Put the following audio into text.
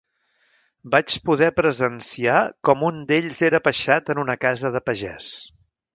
Vaig poder presenciar com un d'ells era apeixat en una casa de pagès.